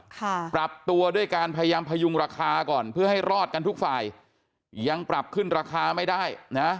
ปรับตัวด้วยการพยายามพยุงราคาก่อนเพื่อให้รอดกันทุกฝ่ายยังปรับขึ้นราคาไม่ได้นะ